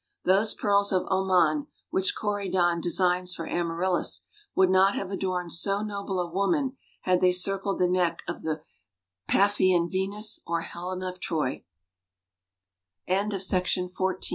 Those pearls of Oman which Corydon designs for Amaryllis would not have adorned so noble a woman had they circled the neck of the Paphian Venus or Helen of Troy. WENDELL PHILLIPS AT HARVARD.